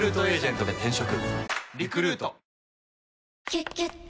「キュキュット」